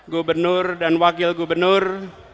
gubernur dan wakil gubernur